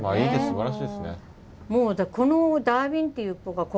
すばらしいですね。